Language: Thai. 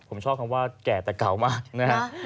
ผมชอบคำว่าแก่แต่เก่ามากนะฮะ